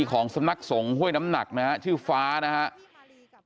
ของสมัครสงฆ์ห้วยน้ำหนักชื่อฟ้านะครับ